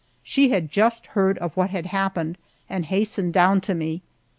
She had just heard of what had happened and hastened down to me.